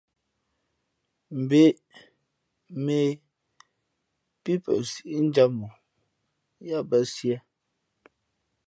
Mbᾱ ě, mᾱ ě pí pα nsíʼnjam ǒ yáʼbᾱ siē.